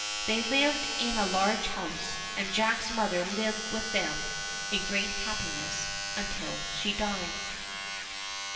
They lived in a large house, and Jack's mother lived with them in great happiness until she died.